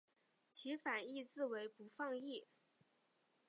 其反义字为不放逸。